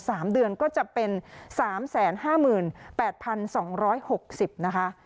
สามเดือนก็จะเป็นสามแสนห้าหมื่นแปดพันสองร้อยหกสิบนะคะ